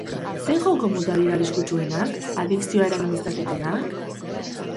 Zein joko mota dira arriskutsuenak, adikzioa eragin dezaketenak?